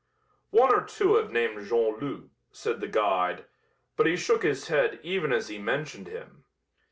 "One or two have named Jean Loups," said the guide, but he shook his head even as he mentioned him.